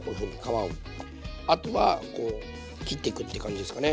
あとはこう切っていくって感じですかね。